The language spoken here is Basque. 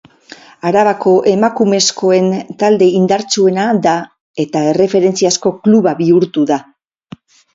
Arabako emakumezkoen talde indartsuena da eta erreferentziazko kluba bihurtu da.